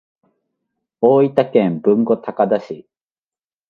大分県豊後高田市